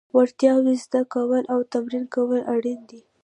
وړتیاوې زده کول او تمرین کول اړین دي.